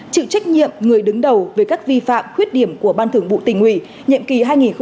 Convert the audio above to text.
chịu trách nhiệm người đứng đầu về các vi phạm khuyết điểm của ban thường vụ tỉnh ủy nhiệm kỳ hai nghìn một mươi năm hai nghìn hai mươi